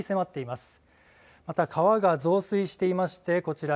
また川が増水していましてこちら